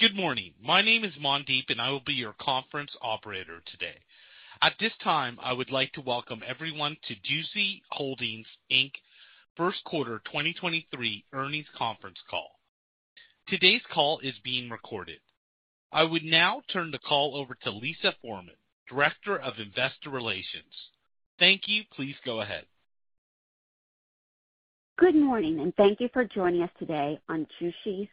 Good morning. My name is Mandeep, and I will be your conference operator today. At this time, I would like to welcome everyone to Jushi Holdings Inc. First Quarter 2023 Earnings Conference Call. Today's call is being recorded. I would now turn the call over to Lisa Forman, Director of Investor Relations. Thank you. Please go ahead. Good morning, thank you for joining us today on Jushi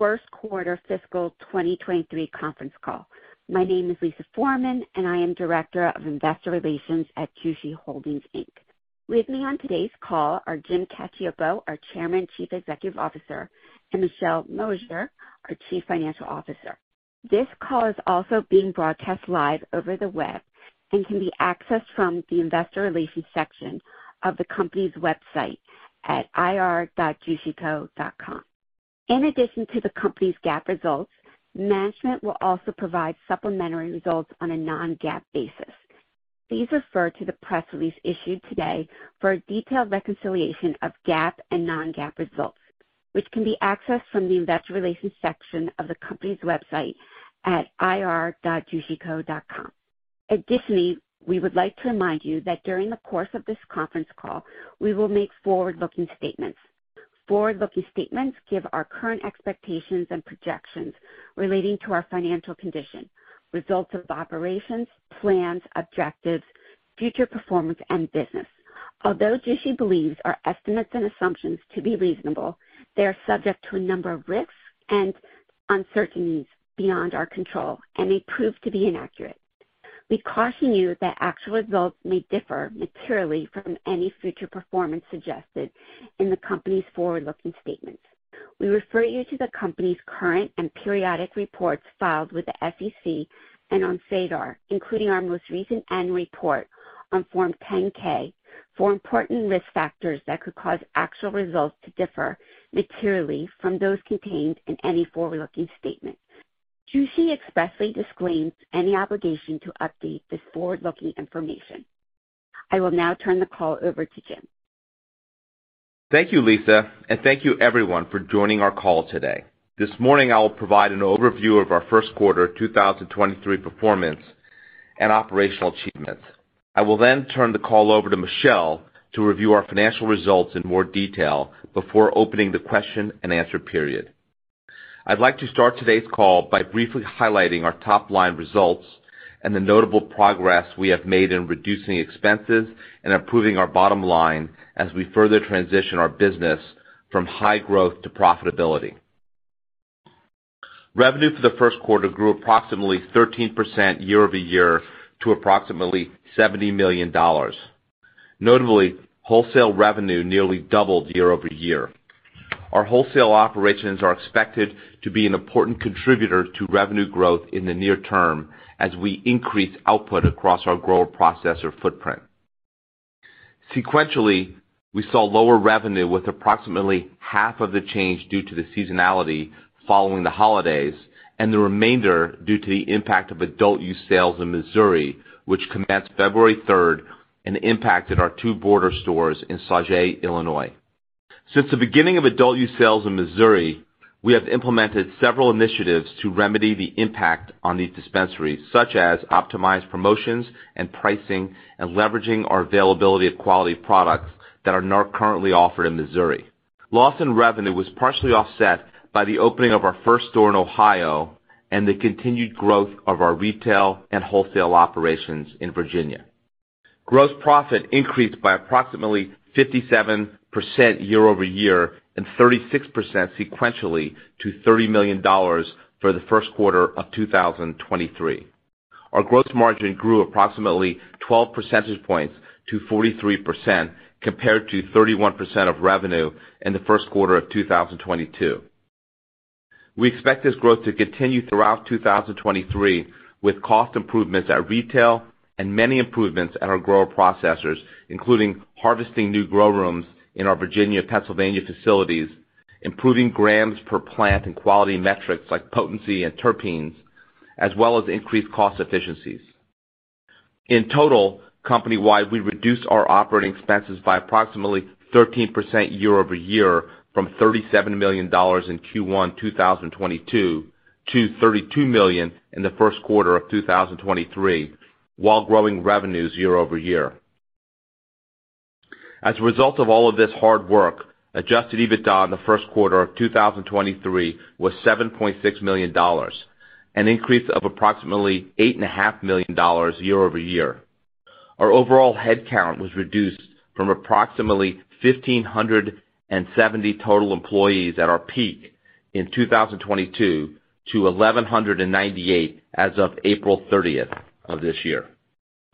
First Quarter Fiscal 2023 conference call. My name is Lisa Forman, and I am Director of Investor Relations at Jushi Holdings Inc. With me on today's call are Jim Cacioppo, our Chairman, Chief Executive Officer, and Michelle Mosier, our Chief Financial Officer. This call is also being broadcast live over the web and can be accessed from the investor relations section of the company's website at ir.jushico.com. In addition to the company's GAAP results, management will also provide supplementary results on a non-GAAP basis. Please refer to the press release issued today for a detailed reconciliation of GAAP and non-GAAP results, which can be accessed from the investor relations section of the company's website at ir.jushico.com. We would like to remind you that during the course of this conference call, we will make forward-looking statements. Forward-looking statements give our current expectations and projections relating to our financial condition, results of operations, plans, objectives, future performance, and business. Although Jushi believes our estimates and assumptions to be reasonable, they are subject to a number of risks and uncertainties beyond our control, and may prove to be inaccurate. We caution you that actual results may differ materially from any future performance suggested in the company's forward-looking statements. We refer you to the company's current and periodic reports filed with the SEC and on SEDAR, including our most recent annual report on Form 10-K, for important risk factors that could cause actual results to differ materially from those contained in any forward-looking statement. Jushi expressly disclaims any obligation to update this forward-looking information. I will now turn the call over to Jim. Thank you, Lisa, thank you everyone for joining our call today. This morning, I will provide an overview of our first quarter 2023 performance and operational achievements. I will turn the call over to Michelle to review our financial results in more detail before opening the question-and-answer period. I'd like to start today's call by briefly highlighting our top-line results and the notable progress we have made in reducing expenses and improving our bottom line as we further transition our business from high growth to profitability. Revenue for the first quarter grew approximately 13% year-over-year to approximately $70 million. Notably, wholesale revenue nearly doubled year-over-year. Our wholesale operations are expected to be an important contributor to revenue growth in the near term as we increase output across our grower-processor footprint. Sequentially, we saw lower revenue with approximately half of the change due to the seasonality following the holidays, and the remainder due to the impact of adult use sales in Missouri, which commenced February third and impacted our two border stores in Sauget, Illinois. Since the beginning of adult use sales in Missouri, we have implemented several initiatives to remedy the impact on these dispensaries, such as optimized promotions and pricing and leveraging our availability of quality products that are not currently offered in Missouri. Loss in revenue was partially offset by the opening of our first store in Ohio and the continued growth of our retail and wholesale operations in Virginia. Gross profit increased by approximately 57% year-over-year and 36% sequentially to $30 million for the first quarter of 2023. Our gross margin grew approximately 12 percentage points to 43% compared to 31% of revenue in the first quarter of 2022. We expect this growth to continue throughout 2023 with cost improvements at retail and many improvements at our grower-processors, including harvesting new grow rooms in our Virginia, Pennsylvania facilities, improving grams per plant and quality metrics like potency and terpenes, as well as increased cost efficiencies. In total, company-wide, we reduced our operating expenses by approximately 13% year-over-year from $37 million in Q1 2022 to $32 million in the first quarter of 2023 while growing revenues year-over-year. As a result of all of this hard work, Adjusted EBITDA in the first quarter of 2023 was $7.6 million, an increase of approximately $8,500,000 year-over-year. Our overall headcount was reduced from approximately 1,570 total employees at our peak in 2022 to 1,198 as of April 30th of this year.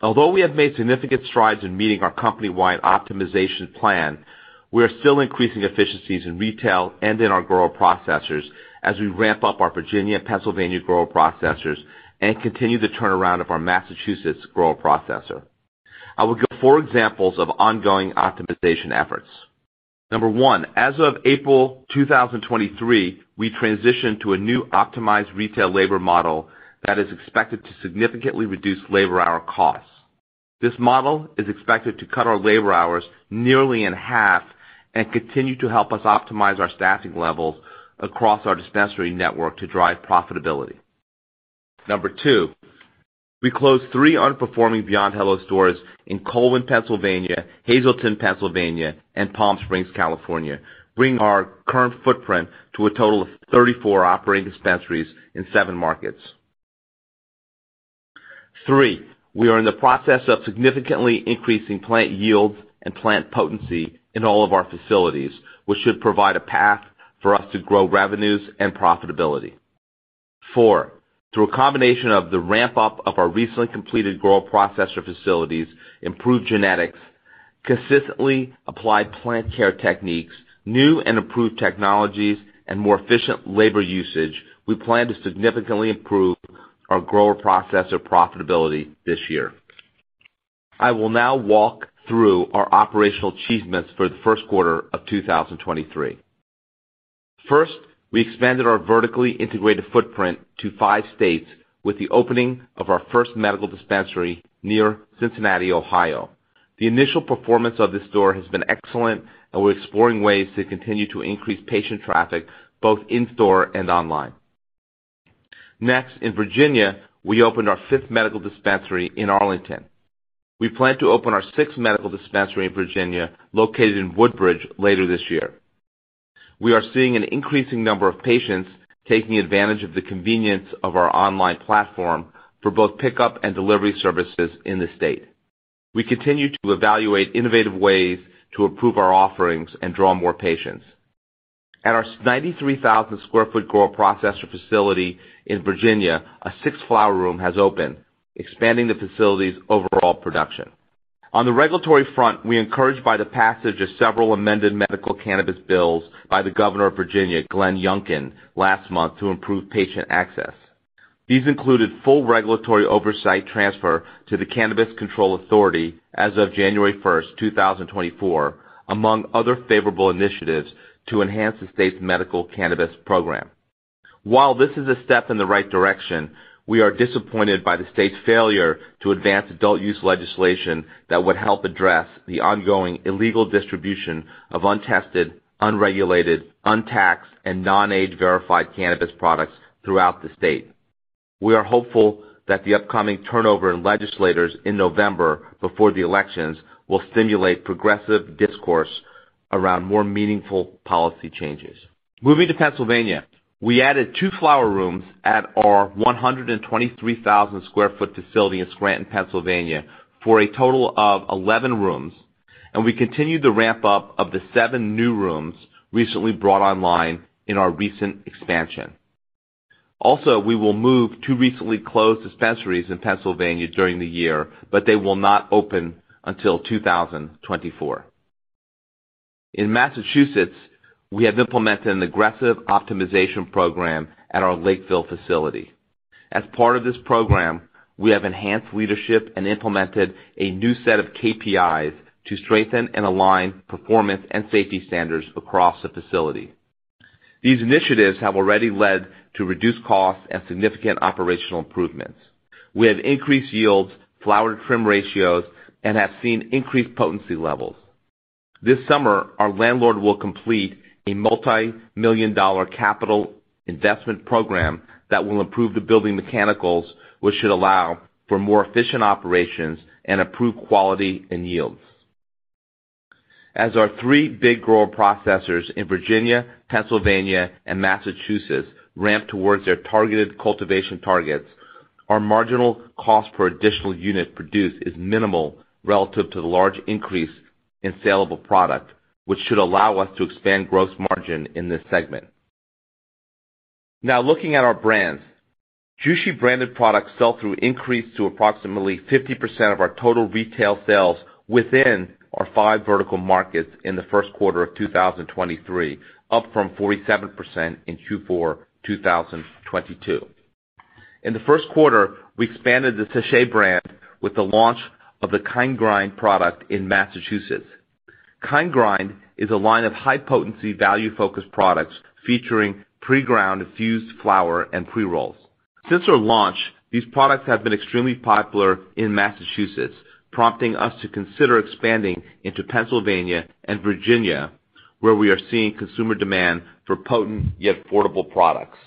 Although we have made significant strides in meeting our company-wide optimization plan, we are still increasing efficiencies in retail and in our grower-processors as we ramp up our Virginia, Pennsylvania grower-processors and continue the turnaround of our Massachusetts grower-processor. I will give four examples of ongoing optimization efforts. Number one, as of April 2023, we transitioned to a new optimized retail labor model that is expected to significantly reduce labor hour costs. This model is expected to cut our labor hours nearly in half and continue to help us optimize our staffing levels across our dispensary network to drive profitability. Number two, we closed three underperforming Beyond Hello stores in Colwyn, Pennsylvania, Hazleton, Pennsylvania, and Palm Springs, California, bringing our current footprint to a total of 34 operating dispensaries in seven markets. Three, we are in the process of significantly increasing plant yields and plant potency in all of our facilities, which should provide a path for us to grow revenues and profitability. Four, through a combination of the ramp-up of our recently completed grow processor facilities, improved genetics, consistently applied plant care techniques, new and improved technologies, and more efficient labor usage, we plan to significantly improve our grower processor profitability this year. I will now walk through our operational achievements for the first quarter of 2023. First, we expanded our vertically integrated footprint to five states with the opening of our first medical dispensary near Cincinnati, Ohio. The initial performance of this store has been excellent, and we're exploring ways to continue to increase patient traffic both in-store and online. Next, in Virginia, we opened our fifth medical dispensary in Arlington. We plan to open our sixth medical dispensary in Virginia, located in Woodbridge, later this year. We are seeing an increasing number of patients taking advantage of the convenience of our online platform for both pickup and delivery services in the state. We continue to evaluate innovative ways to improve our offerings and draw more patients. At our 93,000 sq ft grow processor facility in Virginia, a six flower room has opened, expanding the facility's overall production. On the regulatory front, we encouraged by the passage of several amended medical cannabis bills by the Governor of Virginia, Glenn Youngkin, last month to improve patient access. These included full regulatory oversight transfer to the Virginia Cannabis Control Authority as of January 1, 2024, among other favorable initiatives to enhance the state's medical cannabis program. While this is a step in the right direction, we are disappointed by the state's failure to advance adult use legislation that would help address the ongoing illegal distribution of untested, unregulated, untaxed, and non-age verified cannabis products throughout the state. We are hopeful that the upcoming turnover in legislators in November before the elections will stimulate progressive discourse around more meaningful policy changes. Moving to Pennsylvania, we added two flower rooms at our 123,000 sq ft facility in Scranton, Pennsylvania, for a total of 11 rooms, and we continued the ramp-up of the seven new rooms recently brought online in our recent expansion. Also, we will move two recently closed dispensaries in Pennsylvania during the year, but they will not open until 2024. In Massachusetts, we have implemented an aggressive optimization program at our Lakeville facility. As part of this program, we have enhanced leadership and implemented a new set of KPIs to strengthen and align performance and safety standards across the facility. These initiatives have already led to reduced costs and significant operational improvements. We have increased yields, flower trim ratios, and have seen increased potency levels. This summer, our landlord will complete a multimillion-dollar capital investment program that will improve the building mechanicals, which should allow for more efficient operations and improved quality and yields. As our three big grow processors in Virginia, Pennsylvania, and Massachusetts ramp towards their targeted cultivation targets, our marginal cost per additional unit produced is minimal relative to the large increase in saleable product, which should allow us to expand gross margin in this segment. Now, looking at our brands. Jushi branded product sell-through increased to approximately 50% of our total retail sales within our five vertical markets in the first quarter of 2023, up from 47% in Q4 2022. In the first quarter, we expanded the Sèchè brand with the launch of the Kind Grind product in Massachusetts. Kind Grind is a line of high-potency, value-focused products featuring pre-ground, infused flower, and pre-rolls. Since our launch, these products have been extremely popular in Massachusetts, prompting us to consider expanding into Pennsylvania and Virginia, where we are seeing consumer demand for potent yet affordable products.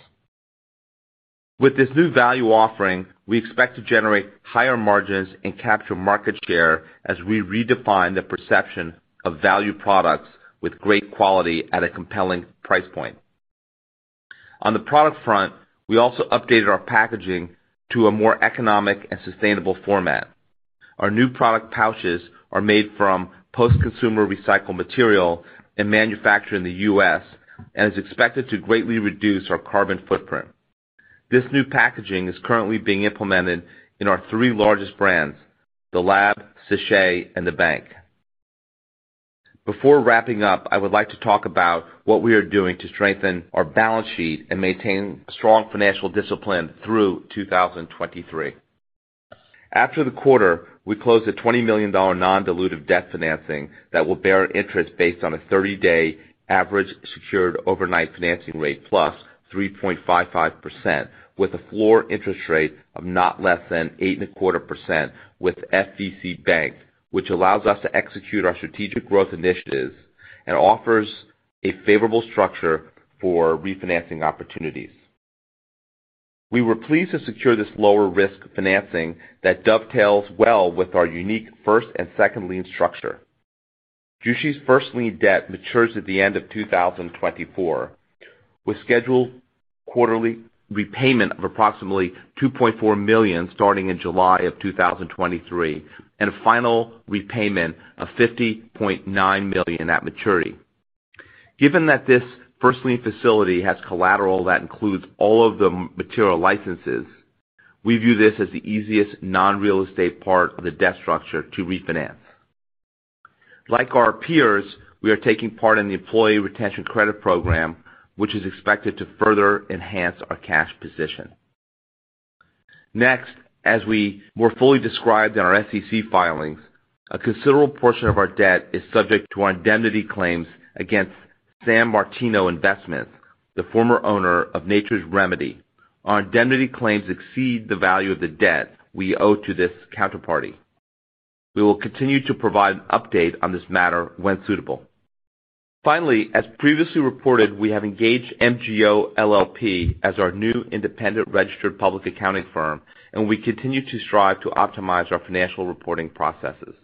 With this new value offering, we expect to generate higher margins and capture market share as we redefine the perception of value products with great quality at a compelling price point. On the product front, we also updated our packaging to a more economic and sustainable format. Our new product pouches are made from post-consumer recycled material and manufactured in the U.S. and is expected to greatly reduce our carbon footprint. This new packaging is currently being implemented in our three largest brands, The Lab, Sèchè, and The Bank. Before wrapping up, I would like to talk about what we are doing to strengthen our balance sheet and maintain strong financial discipline through 2023. After the quarter, we closed a $20 million non-dilutive debt financing that will bear an interest based on a 30-day average Secured Overnight Financing Rate, plus 3.55%, with a floor interest rate of not less than 8.25% with FVCbank, which allows us to execute our strategic growth initiatives and offers a favorable structure for refinancing opportunities. We were pleased to secure this lower-risk financing that dovetails well with our unique first and second lien structure. Jushi's first lien debt matures at the end of 2024, with scheduled quarterly repayment of approximately $2.4 million starting in July of 2023, and a final repayment of $50.9 million at maturity. Given that this first lien facility has collateral that includes all of the material licenses, we view this as the easiest non-real estate part of the debt structure to refinance. Like our peers, we are taking part in the Employee Retention Credit program, which is expected to further enhance our cash position. As we more fully described in our SEC filings, a considerable portion of our debt is subject to indemnity claims against San Martino Investments, the former owner of Nature's Remedy. Our indemnity claims exceed the value of the debt we owe to this counterparty. We will continue to provide an update on this matter when suitable. Finally, as previously reported, we have engaged MGO LLP as our new independent registered public accounting firm, and we continue to strive to optimize our financial reporting processes.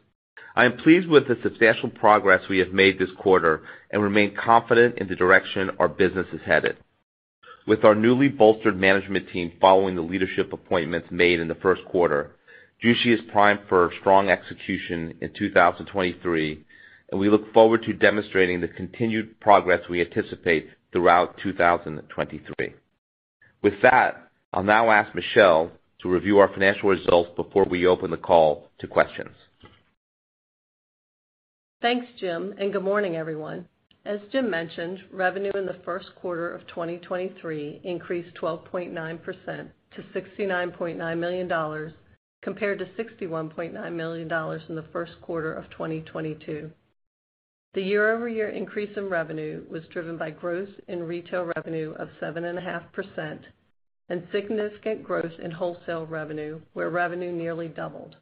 I am pleased with the substantial progress we have made this quarter and remain confident in the direction our business is headed. With our newly bolstered management team following the leadership appointments made in the first quarter, Jushi is primed for strong execution in 2023, and we look forward to demonstrating the continued progress we anticipate throughout 2023. With that, I'll now ask Michelle to review our financial results before we open the call to questions. Thanks, Jim. Good morning, everyone. As Jim mentioned, revenue in the first quarter of 2023 increased 12.9% to $69.9 million, compared to $61.9 million in the first quarter of 2022. The year-over-year increase in revenue was driven by growth in retail revenue of 7.5% and significant growth in wholesale revenue, where revenue nearly doubled.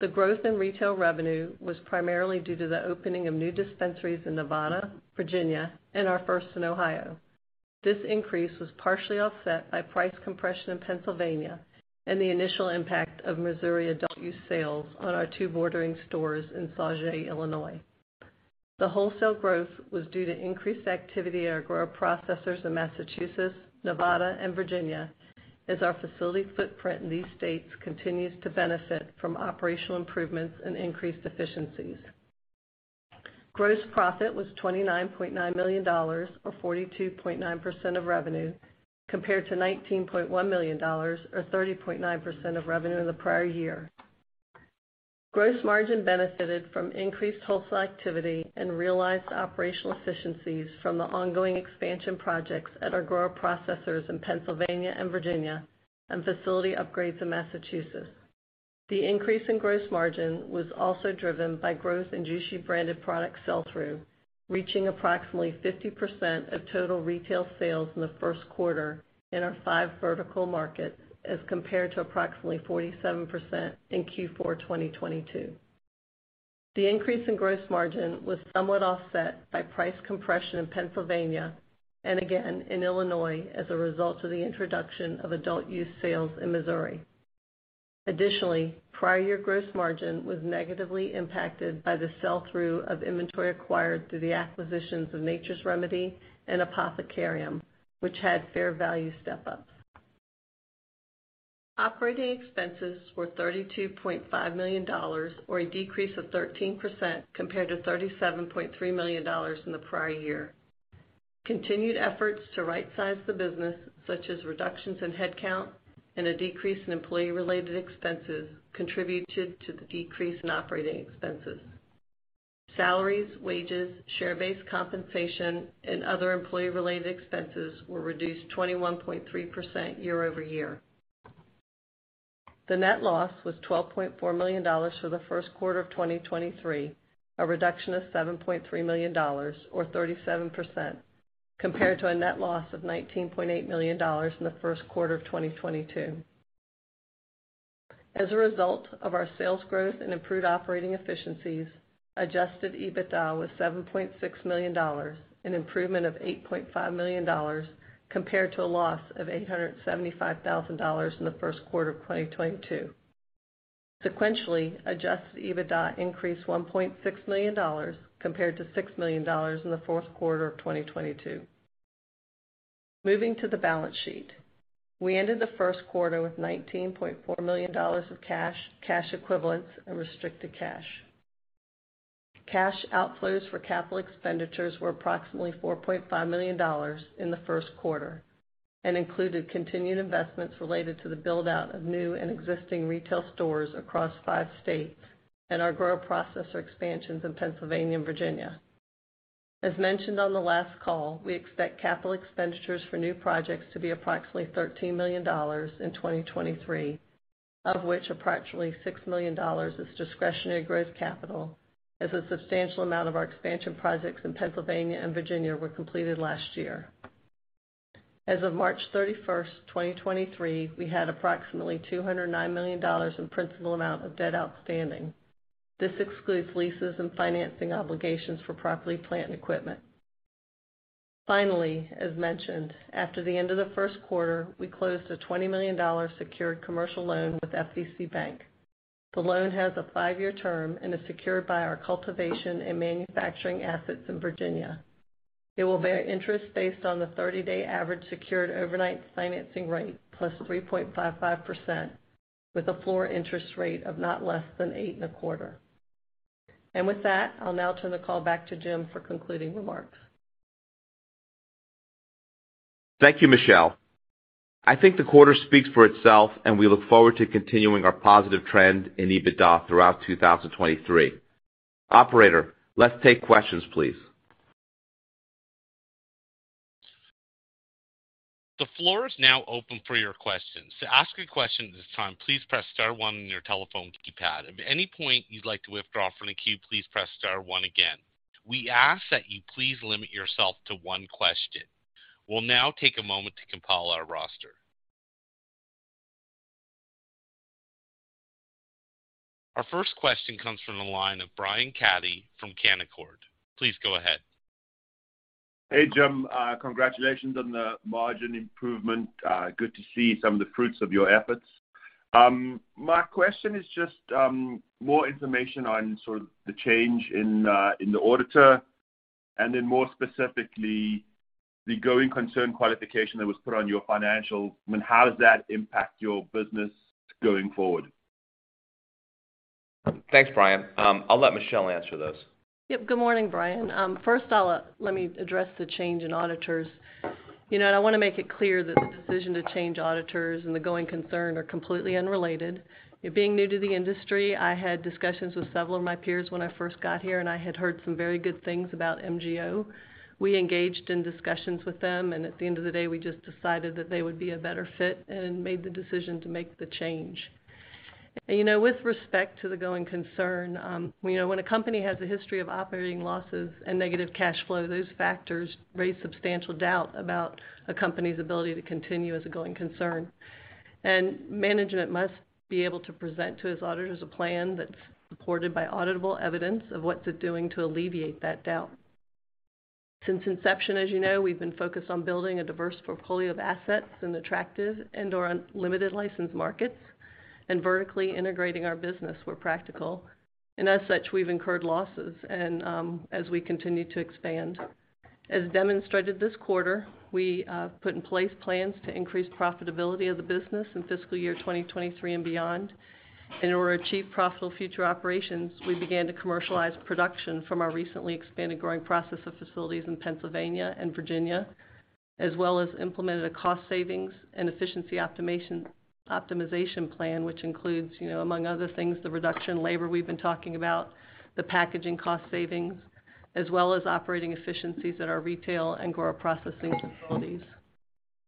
The growth in retail revenue was primarily due to the opening of new dispensaries in Nevada, Virginia, and our first in Ohio. This increase was partially offset by price compression in Pennsylvania and the initial impact of Missouri adult use sales on our two bordering stores in Sauget, Illinois. The wholesale growth was due to increased activity at our grower processors in Massachusetts, Nevada, and Virginia as our facility footprint in these states continues to benefit from operational improvements and increased efficiencies. Gross profit was $29.9 million or 42.9% of revenue, compared to $19.1 million or 30.9% of revenue in the prior year. Gross margin benefited from increased wholesale activity and realized operational efficiencies from the ongoing expansion projects at our grower processors in Pennsylvania and Virginia and facility upgrades in Massachusetts. The increase in gross margin was also driven by growth in Jushi branded product sell-through, reaching approximately 50% of total retail sales in the first quarter in our five vertical markets as compared to approximately 47% in Q4 2022. The increase in gross margin was somewhat offset by price compression in Pennsylvania and again in Illinois as a result of the introduction of adult use sales in Missouri. Additionally, prior year gross margin was negatively impacted by the sell-through of inventory acquired through the acquisitions of Nature's Remedy and Apothecarium, which had fair value step-ups. Operating expenses were $32.5 million, or a decrease of 13% compared to $37.3 million in the prior year. Continued efforts to right size the business, such as reductions in headcount and a decrease in employee-related expenses, contributed to the decrease in operating expenses. Salaries, wages, share-based compensation, and other employee-related expenses were reduced 21.3% year-over-year. The net loss was $12.4 million for the first quarter of 2023, a reduction of $7.3 million or 37% compared to a net loss of $19.8 million in the first quarter of 2022. As a result of our sales growth and improved operating efficiencies, Adjusted EBITDA was $7.6 million, an improvement of $8.5 million compared to a loss of $875,000 in the first quarter of 2022. Sequentially, Adjusted EBITDA increased $1.6 million compared to $6 million in the fourth quarter of 2022. Moving to the balance sheet. We ended the first quarter with $19.4 million of cash equivalents, and restricted cash. Cash outflows for CapEx were approximately $4.5 million in the first quarter and included continued investments related to the build-out of new and existing retail stores across five states and our grower processor expansions in Pennsylvania and Virginia. As mentioned on the last call, we expect CapEx for new projects to be approximately $13 million in 2023, out of which approximately $6 million is discretionary growth capital as a substantial amount of our expansion projects in Pennsylvania and Virginia were completed last year. As of March 31, 2023, we had approximately $209 million in principal amount of debt outstanding. This excludes leases and financing obligations for property, plant, and equipment. Finally, as mentioned, after the end of the first quarter, we closed a $20 million secured commercial loan with FVCbank. The loan has a five-year term and is secured by our cultivation and manufacturing assets in Virginia. It will bear interest based on the 30-day average secured overnight financing rate, plus 3.55% with a floor interest rate of not less than 8.25%. With that, I'll now turn the call back to Jim for concluding remarks. Thank you, Michelle. I think the quarter speaks for itself, and we look forward to continuing our positive trend in EBITDA throughout 2023. Operator, let's take questions, please. The floor is now open for your questions. To ask a question at this time, please press star one on your telephone keypad. If at any point you'd like to withdraw from the queue, please press star one again. We ask that you please limit yourself to one question. We'll now take a moment to compile our roster. Our first question comes from the line of Brian Caddy from Canaccord. Please go ahead. Hey, Jim. Congratulations on the margin improvement. Good to see some of the fruits of your efforts. My question is just more information on sort of the change in the auditor, and then more specifically, the going concern qualification that was put on your financial. I mean, how does that impact your business going forward? Thanks, Brian. I'll let Michelle answer those. Yep. Good morning, Brian. First let me address the change in auditors. You know, I wanna make it clear that the decision to change auditors and the going concern are completely unrelated. Being new to the industry, I had discussions with several of my peers when I first got here, and I had heard some very good things about MGO. We engaged in discussions with them, at the end of the day, we just decided that they would be a better fit and made the decision to make the change. You know, with respect to the going concern, you know, when a company has a history of operating losses and negative cash flow, those factors raise substantial doubt about a company's ability to continue as a going concern. Management must be able to present to its auditors a plan that's supported by auditable evidence of what they're doing to alleviate that doubt. Since inception, as you know, we've been focused on building a diverse portfolio of assets in attractive and/or unlimited licensed markets and vertically integrating our business where practical. As such, we've incurred losses as we continue to expand. As demonstrated this quarter, we put in place plans to increase profitability of the business in fiscal year 2023 and beyond. In order to achieve profitable future operations, we began to commercialize production from our recently expanded growing process of facilities in Pennsylvania and Virginia, as well as implemented a cost savings and efficiency optimization plan, which includes, you know, among other things, the reduction in labor we've been talking about, the packaging cost savings, as well as operating efficiencies at our retail and grower processing facilities.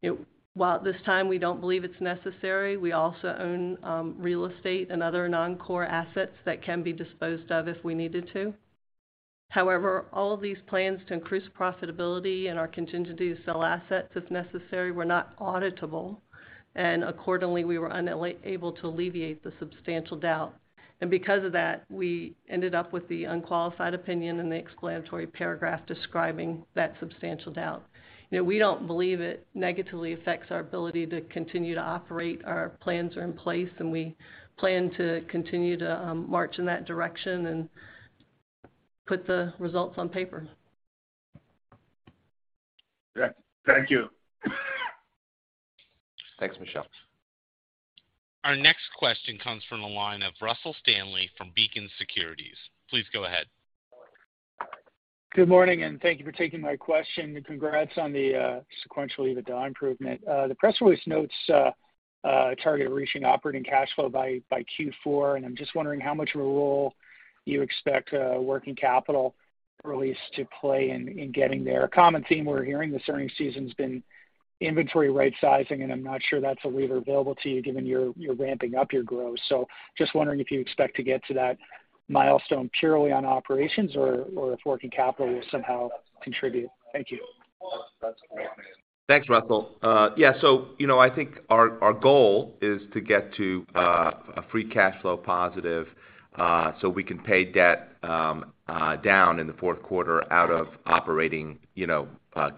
You know, while at this time we don't believe it's necessary, we also own real estate and other non-core assets that can be disposed of if we needed to. However, all of these plans to increase profitability and our contingency to sell assets, if necessary, were not auditable, and accordingly, we were able to alleviate the substantial doubt. Because of that, we ended up with the unqualified opinion and the explanatory paragraph describing that substantial doubt. You know, we don't believe it negatively affects our ability to continue to operate. Our plans are in place, and we plan to continue to march in that direction and put the results on paper. Yeah. Thank you. Thanks, Michelle. Our next question comes from the line of Russell Stanley from Beacon Securities. Please go ahead. Good morning. Thank you for taking my question. Congrats on the sequential EBITDA improvement. The press release notes target reaching operating cash flow by Q4, and I'm just wondering how much of a role you expect working capital release to play in getting there. A common theme we're hearing this earning season has been inventory right-sizing, and I'm not sure that's a lever available to you given you're ramping up your growth. Just wondering if you expect to get to that milestone purely on operations or if working capital will somehow contribute. Thank you. Thanks, Russell. Yeah, so, you know, I think our goal is to get to a free cash flow positive, so we can pay debt down in the fourth quarter out of operating, you know,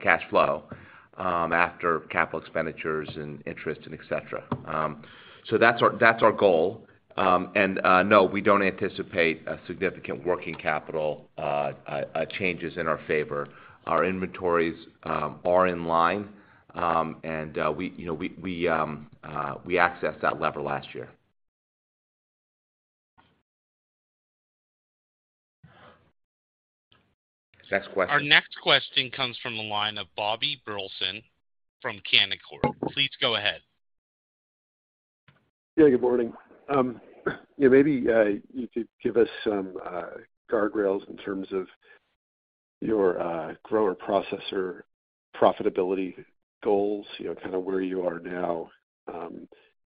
cash flow after capital expenditures and interest and et cetera. That's our, that's our goal. No, we don't anticipate a significant working capital changes in our favor. Our inventories are in line. We, you know, we accessed that lever last year. Next question. Our next question comes from the line of Bobby Burleson from Canaccord. Please go ahead. Good morning. Maybe, you could give us some guardrails in terms of your grower-processor profitability goals. You know, kinda where you are now,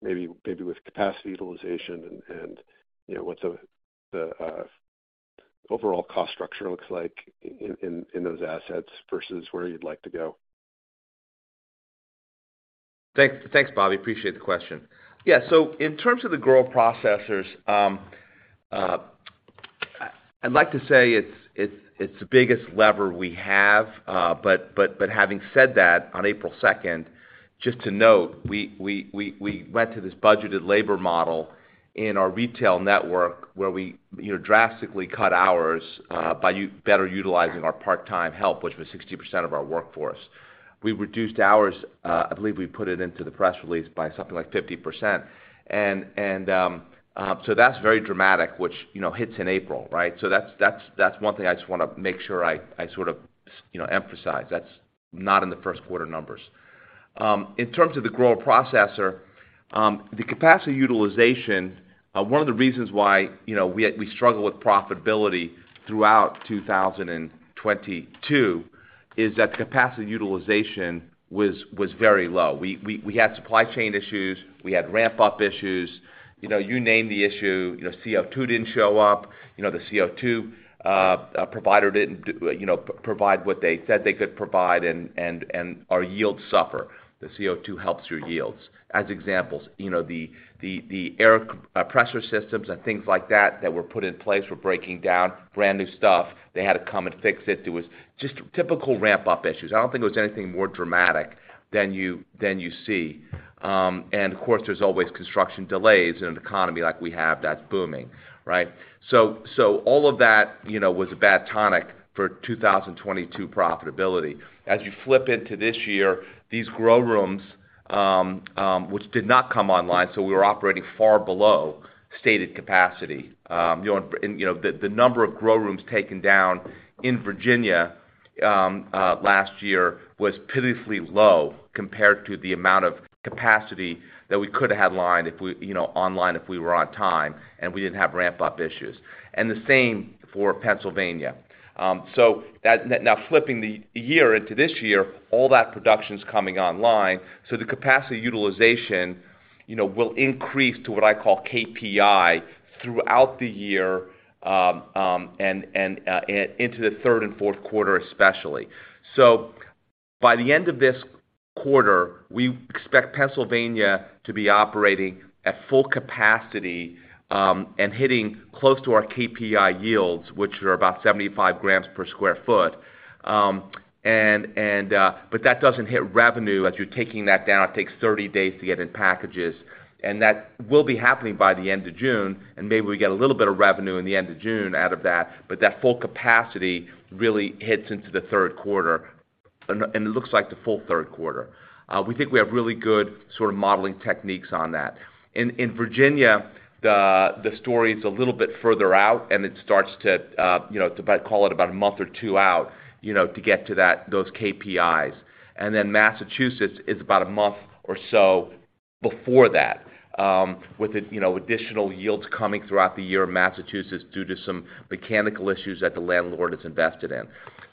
maybe with capacity utilization and, you know, what's the overall cost structure looks like in those assets versus where you'd like to go. Thanks, Bobby. Appreciate the question. In terms of the grow processors, I'd like to say it's the biggest lever we have. Having said that, on April 2, just to note, we went to this budgeted labor model in our retail network where we, you know, drastically cut hours, by better utilizing our part-time help, which was 60% of our workforce. We reduced hours, I believe we put it into the press release, by something like 50%. That's very dramatic, which, you know, hits in April, right? That's one thing I just wanna make sure I sort of you know, emphasize. That's not in the first quarter numbers. In terms of the grow processor, the capacity utilization, one of the reasons why we struggle with profitability throughout 2022 is that capacity utilization was very low. We had supply chain issues. We had ramp-up issues. You name the issue. CO2 didn't show up. The CO2 provider didn't provide what they said they could provide, and our yields suffer. The CO2 helps your yields. As examples, the air pressure systems and things like that that were put in place were breaking down, brand-new stuff. They had to come and fix it. It was just typical ramp-up issues. I don't think it was anything more dramatic than you see. And of course, there's always construction delays in an economy like we have that's booming, right? So all of that, you know, was a bad tonic for 2022 profitability. As you flip into this year, these grow rooms, which did not come online, so we were operating far below stated capacity. You know, and, you know, the number of grow rooms taken down in Virginia last year was pitifully low compared to the amount of capacity that we could have had lined if we, you know, online if we were on time and we didn't have ramp-up issues, and the same for Pennsylvania. So that... Now flipping the year into this year, all that production's coming online, the capacity utilization, you know, will increase to what I call KPI throughout the year into the third and fourth quarter especially. By the end of this quarter, we expect Pennsylvania to be operating at full capacity and hitting close to our KPI yields, which are about 75 grams per sq ft. That doesn't hit revenue as you're taking that down. It takes 30 days to get in packages. That will be happening by the end of June, and maybe we get a little bit of revenue in the end of June out of that full capacity really hits into the third quarter, and it looks like the full third quarter. We think we have really good sort of modeling techniques on that. In Virginia, the story is a little bit further out, and it starts to, you know, to about, call it about a month or two out, you know, to get to that, those KPIs. Massachusetts is about a month or so before that, with the, you know, additional yields coming throughout the year in Massachusetts due to some mechanical issues that the landlord has invested in.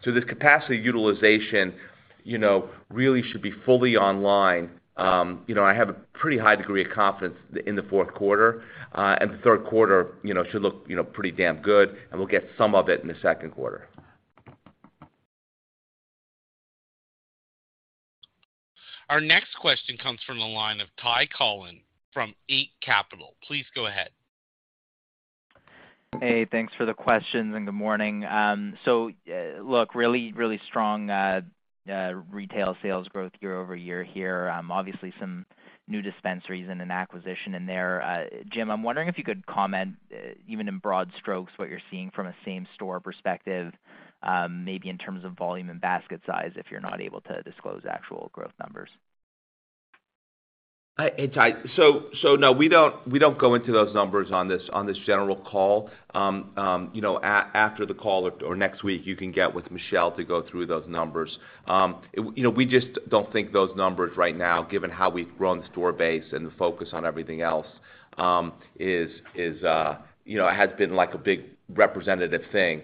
This capacity utilization, you know, really should be fully online, you know, I have a pretty high degree of confidence in the fourth quarter. The third quarter, you know, should look, you know, pretty damn good, and we'll get some of it in the second quarter. Our next question comes from the line of Ty Collin from Eight Capital. Please go ahead. Hey, thanks for the questions, and good morning. Look, really, really strong retail sales growth year-over-year here. Obviously some new dispensaries and an acquisition in there. Jim, I'm wondering if you could comment even in broad strokes, what you're seeing from a same store perspective, maybe in terms of volume and basket size, if you're not able to disclose actual growth numbers? Hey, Ty. No, we don't go into those numbers on this general call. You know, after the call or next week, you can get with Michelle to go through those numbers. You know, we just don't think those numbers right now, given how we've grown the store base and the focus on everything else, is, you know, has been like a big representative thing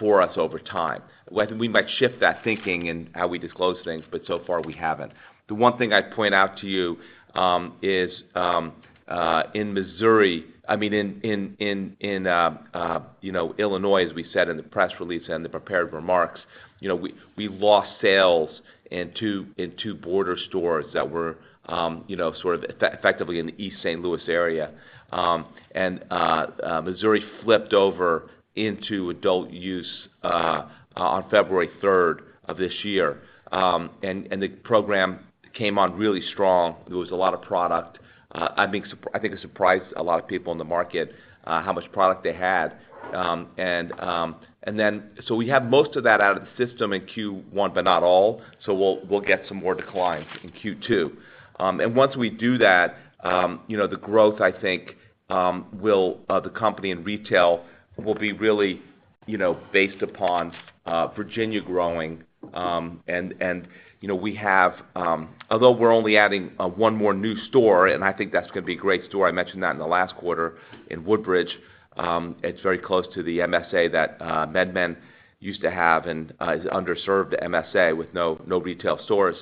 for us over time. Whether we might shift that thinking in how we disclose things, but so far we haven't. The one thing I'd point out to you, I mean, in Illinois, as we said in the press release and the prepared remarks, you know, we lost sales in two border stores that were, you know, sort of effectively in the East St. Louis area. Missouri flipped over into adult use on February 3rd of this year. The program came on really strong. There was a lot of product. I think it surprised a lot of people in the market, how much product they had. We have most of that out of the system in Q1, but not all. We'll get some more declines in Q2. And once we do that, you know, the growth, I think, will the company and retail will be really, you know, based upon Virginia growing, and, you know, we have, although we're only adding one more new store, and I think that's gonna be a great store. I mentioned that in the last quarter in Woodbridge. It's very close to the MSA that MedMen used to have and is an underserved MSA with no retail stores.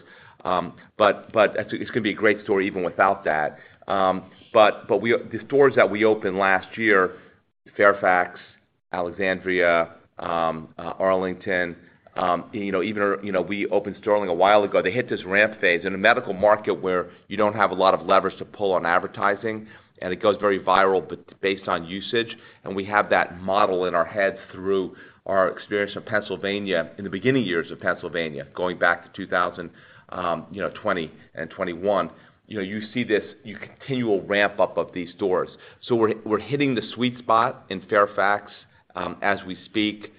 But it's gonna be a great store even without that. But the stores that we opened last year, Fairfax, Alexandria, Arlington, you know, even, you know, we opened Sterling a while ago. They hit this ramp phase. In a medical market where you don't have a lot of levers to pull on advertising. It goes very viral but based on usage, and we have that model in our heads through our experience in Pennsylvania, in the beginning years of Pennsylvania, going back to 2020 and 2021, you know, you see this, continual ramp-up of these stores. We're hitting the sweet spot in Fairfax as we speak.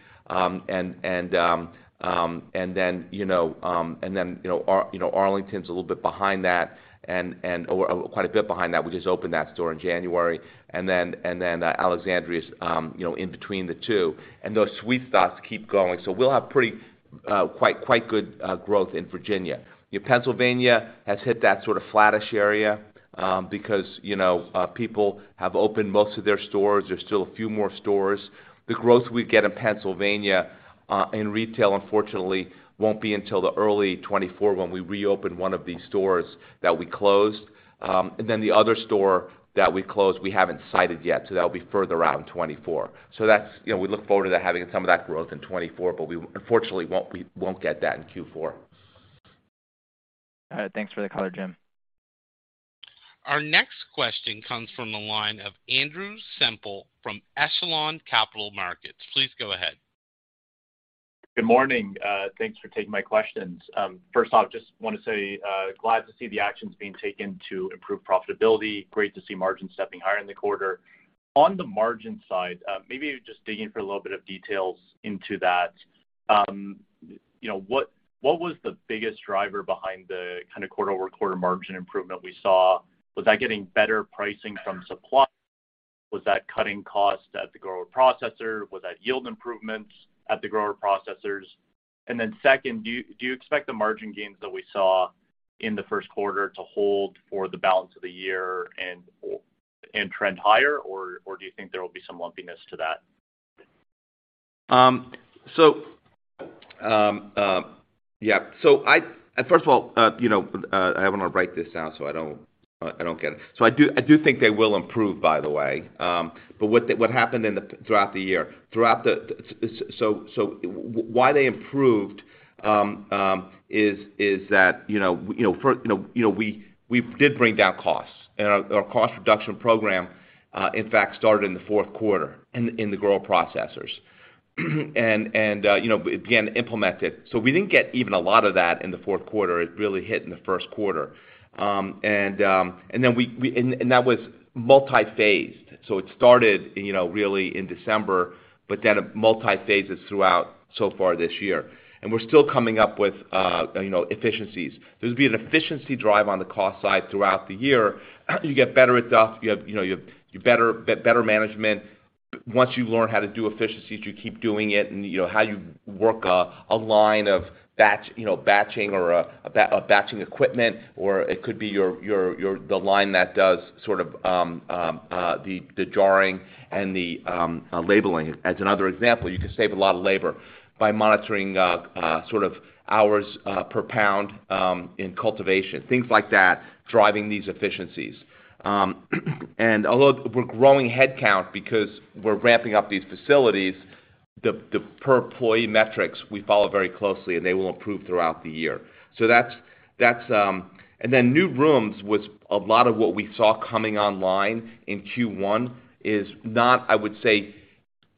Then, you know, Arlington's a little bit behind that and quite a bit behind that. We just opened that store in January. Then, Alexandria's, you know, in between the two. Those sweet spots keep going. We'll have pretty quite good growth in Virginia. You know, Pennsylvania has hit that sort of flattish area, because, you know, people have opened most of their stores. There's still a few more stores. The growth we get in Pennsylvania, in retail, unfortunately, won't be until the early 2024 when we reopen one of these stores that we closed. The other store that we closed, we haven't sited yet, so that'll be further out in 2024. That's, you know, we look forward to having some of that growth in 2024, but we unfortunately won't get that in Q4. All right. Thanks for the color, Jim. Our next question comes from the line of Andrew Semple from Echelon Capital Markets. Please go ahead. Good morning. Thanks for taking my questions. First off, just wanna say, glad to see the actions being taken to improve profitability. Great to see margins stepping higher in the quarter. On the margin side, maybe just digging for a little bit of details into that. You know, what was the biggest driver behind the kinda quarter-over-quarter margin improvement we saw? Was that getting better pricing from supply? Was that cutting costs at the grower processor? Was that yield improvements at the grower processors? Then second, do you expect the margin gains that we saw in the first quarter to hold for the balance of the year and trend higher, or do you think there will be some lumpiness to that? Yeah. First of all, you know, I wanna write this down so I don't get it. I do think they will improve by the way. But what happened in the throughout the year. Why they improved is that, you know, for, you know, we did bring down costs, and our cost reduction program, in fact started in the fourth quarter in the grower processors. You know, again, implemented. We didn't get even a lot of that in the fourth quarter. It really hit in the first quarter. Then we. And that was multiphased. It started, you know, really in December, it multiphases throughout so far this year. We're still coming up with, you know, efficiencies. There's been an efficiency drive on the cost side throughout the year. You get better at stuff. You have, you know, better management. Once you learn how to do efficiencies, you keep doing it. You know, how you work a line of batching or a batching equipment, or it could be your, the line that does sort of, the jarring and the labeling. As another example, you can save a lot of labor by monitoring, sort of hours per pound in cultivation, things like that, driving these efficiencies. Although we're growing headcount because we're ramping up these facilities, the per employee metrics we follow very closely, and they will improve throughout the year. That's. New rooms was a lot of what we saw coming online in Q1 is not, I would say,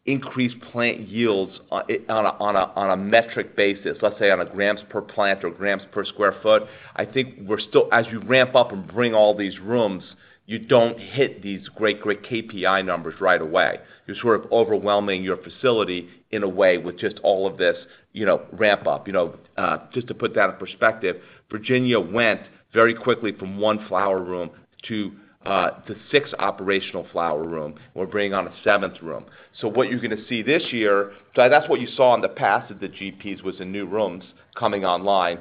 increased plant yields on a metric basis, let's say on a grams per plant or grams per square foot. I think we're still, as you ramp up and bring all these rooms, you don't hit these great KPI numbers right away. You're sort of overwhelming your facility in a way with just all of this, you know, ramp up. You know, just to put that in perspective, Virginia went very quickly from one flower room to six operational flower room. We're bringing on a seventh room. What you're gonna see this year, so that's what you saw in the past of the GPs, was the new rooms coming online,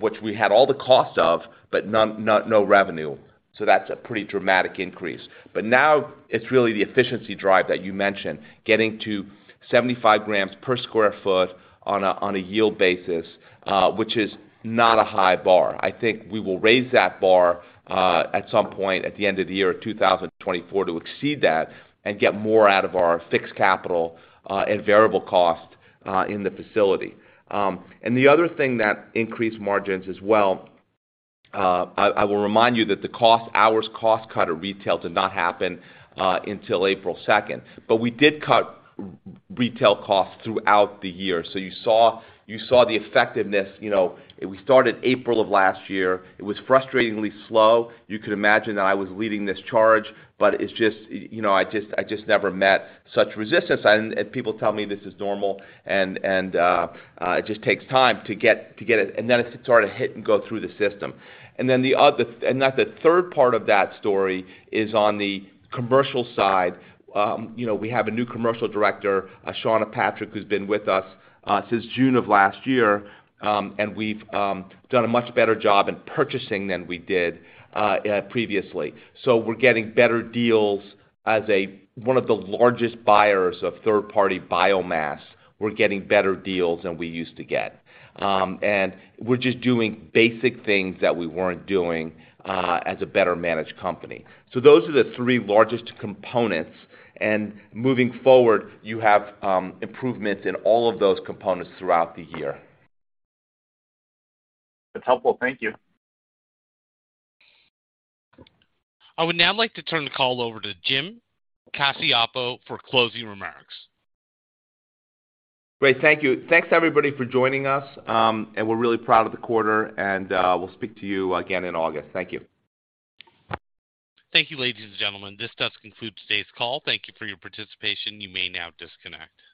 which we had all the costs of, but none, not, no revenue. That's a pretty dramatic increase. Now it's really the efficiency drive that you mentioned, getting to 75 grams per sq ft on a, on a yield basis, which is not a high bar. I think we will raise that bar, at some point at the end of the year of 2024 to exceed that and get more out of our fixed capital, and variable cost, in the facility. The other thing that increased margins as well, I will remind you that the cost, hours cost cut of retail did not happen, until April 2. We did cut retail costs throughout the year. You saw the effectiveness. You know, we started April of last year. It was frustratingly slow. You could imagine that I was leading this charge, but it's just, you know, I just never met such resistance. People tell me this is normal and it just takes time to get it, and then it sort of hit and go through the system. The third part of that story is on the commercial side. You know, we have a new commercial director, Shaunna Patrick, who's been with us since June of last year. We've done a much better job in purchasing than we did previously. We're getting better deals as a, one of the largest buyers of third-party biomass. We're getting better deals than we used to get. And we're just doing basic things that we weren't doing as a better managed company. Those are the three largest components. Moving forward, you have improvements in all of those components throughout the year. That's helpful. Thank you. I would now like to turn the call over to Jim Cacioppo for closing remarks. Great. Thank you. Thanks, everybody, for joining us. We're really proud of the quarter, and we'll speak to you again in August. Thank you. Thank you, ladies and gentlemen. This does conclude today's call. Thank you for your participation. You may now disconnect.